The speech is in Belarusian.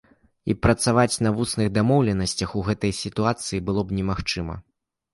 І працаваць на вусных дамоўленасцях у гэтай сітуацыі было б немагчыма.